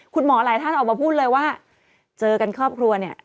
คุณหมอหลายท่านออกมาพูดเลยว่าเจอกันครอบครัวเนี่ย